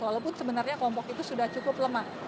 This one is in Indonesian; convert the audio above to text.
walaupun sebenarnya kelompok itu sudah cukup lemah